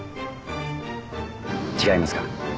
違いますか？